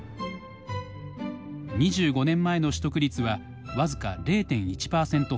２５年前の取得率は僅か０．１％ほど。